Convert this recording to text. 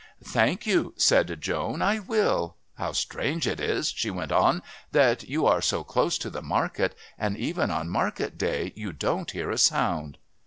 "Thank you," said Joan. "I will. How strange it is," she went on, "that you are so close to the market and, even on market day, you don't hear a sound!"